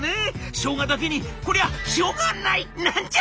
しょうがだけにこりゃしょうがない！なんちゃって」。